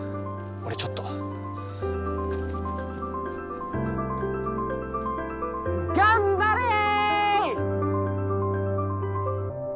俺ちょっと頑張れー！